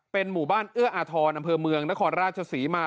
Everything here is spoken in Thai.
หมู่บ้านเอื้ออาทรอำเภอเมืองนครราชศรีมา